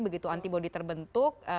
begitu antibody terbentuk